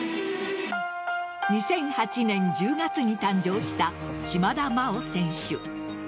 ２００８年１０月に誕生した島田麻央選手。